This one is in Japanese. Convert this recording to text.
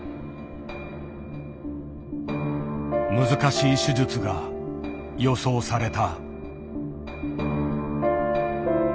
難しい手術が予想された。